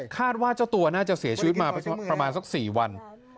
ว่าเจ้าตัวน่าจะเสียชีวิตมาประมาณสัก๔วัน